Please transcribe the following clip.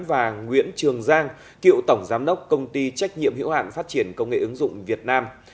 và nguyễn trường giang cựu tổng giám đốc công ty trách nhiệm hiệu hạn phát triển công nghệ ứng dụng việt nam